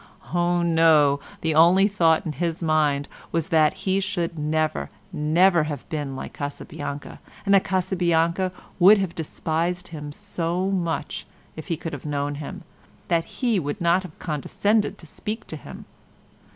Oh, no! the only thought in his mind was that he should never, never have been like Casabianca, and that Casabianca would have despised him so much, if he could have known him, that he would not have condescended to speak to him.